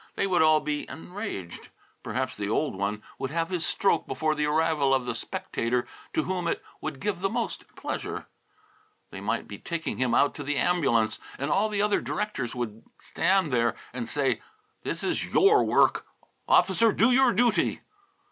They would all be enraged. Perhaps the old one would have his stroke before the arrival of the spectator to whom it would give the most pleasure. They might be taking him out to the ambulance, and all the other directors would stand there and say, "This is your work. Officer, do your duty!"